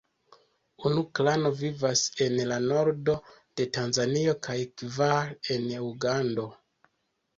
Unu klano vivas en la nordo de Tanzanio kaj kvar en Ugando.